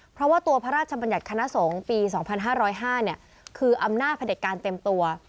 เพราะว่าตัวพระราชบัญญัติคณะสงฆ์ปี๒๕๐๕คืออำนาจพระเด็จการเต็มตัว